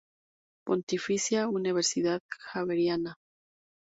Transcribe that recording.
Pontificia Universidad Javeriana.